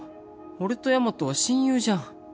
俺とヤマトは親友じゃん